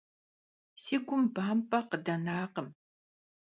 Si gum bamp'e khıdenakhım.